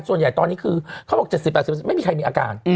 ส่วนใหญ่ตอนนี้คือเขาบอก๗๐๘๐ไม่มีใครมีอาการ